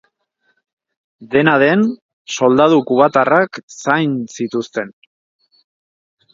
Dena den, soldadu kubatarrak zain zituzten.